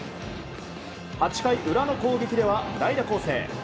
８回裏の攻撃では代打攻勢。